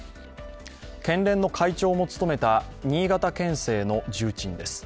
県連の会長も務めた新潟県政の重鎮です。